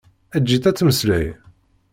Eǧǧ-itt ad tmeslay!